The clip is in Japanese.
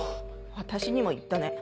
私にも言ったね。